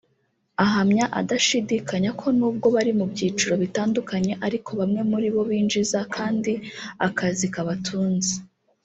Ahamya adashidikanya ko nubwo bari mu byiciro bitandukanye ariko bamwe muri bo binjiza kandi aka kazi kabatunze